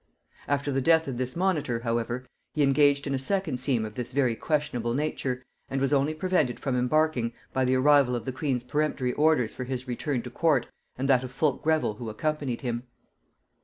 After the death of this monitor, however, he engaged in a second scheme of this very questionable nature, and was only prevented from embarking by the arrival of the queen's peremptory orders for his return to court and that of Fulke Greville who accompanied him.